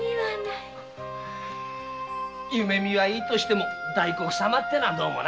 夢見はいいとしても大黒様ってのはどうもな？